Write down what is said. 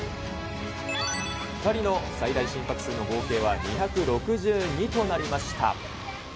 ２人の最大心拍数の合計は２６２となりました。